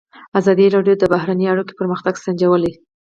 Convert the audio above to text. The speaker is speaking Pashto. ازادي راډیو د بهرنۍ اړیکې پرمختګ سنجولی.